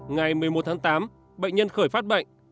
ngày một mươi một tháng tám bệnh nhân khởi phát bệnh